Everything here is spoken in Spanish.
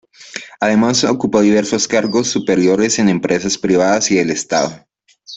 Además ocupó diversos cargos superiores en empresas privadas y del Estado.